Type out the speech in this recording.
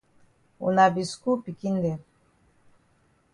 Wuna be skul pikin dem.